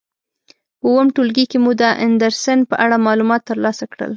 په اووم ټولګي کې مو د اندرسن په اړه معلومات تر لاسه کړل.